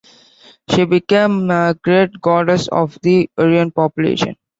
She became a great goddess of the Hurrian population.